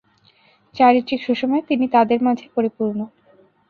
চারিত্রিক সুষমায় তিনি তাদের মাঝে পরিপূর্ণ।